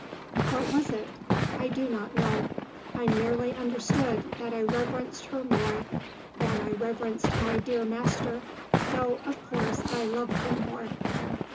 What was it? I did not know. I merely understood that I reverenced her more than I reverenced my dear master, though of course I loved him more.